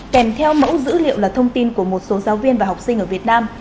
kèm theo mẫu dữ liệu là thông tin của một số giáo viên và học sinh ở việt nam